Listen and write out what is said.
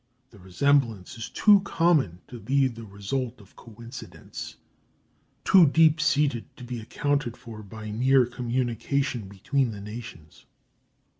The resemblance is too common to be the result of coincidence, too deep seated to be accounted for by mere communication between the nations.